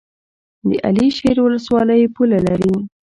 د علي شیر ولسوالۍ پوله لري